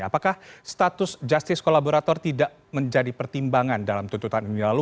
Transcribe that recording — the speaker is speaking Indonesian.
apakah status justice kolaborator tidak menjadi pertimbangan dalam tuntutan ini lalu